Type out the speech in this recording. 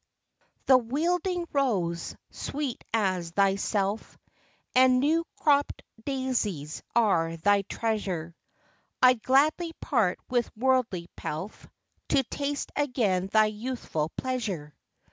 'pHE wilding rose, sweet as thyself, And new cropp'd daisies, are thy treasure; I'd gladly part with worldly pelf, To taste again thy youthful pleasure